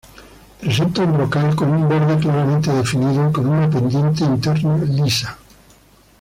Presenta un brocal con un borde claramente definido y con una pendiente interna lisa.